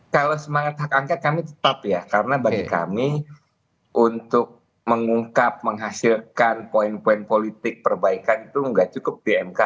kalau semangat hak angket kami tetap ya karena bagi kami untuk mengungkap menghasilkan poin poin politik perbaikan itu nggak cukup di mk